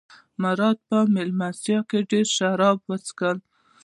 مراد په مېلمستیا کې ډېر شراب وڅښل.